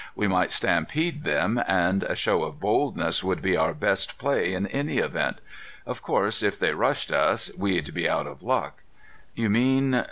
We might stampede them, and a show of boldness would be our best play in any event. Of course, if they rushed us, we'd be out of luck." "You mean